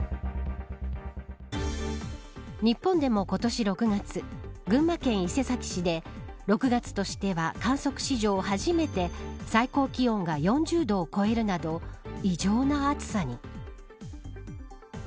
日本でも今年６月群馬県伊勢崎市で６月としては観測史上初めて最高気温が４０度を超えるなど異常な暑さに。